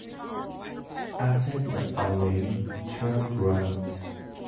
After the alley, turn right.